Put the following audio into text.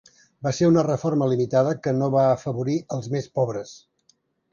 Va ser una reforma limitada que no va afavorir els més pobres.